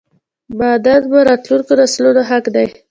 معادن مو راتلونکو نسلونو حق دی!!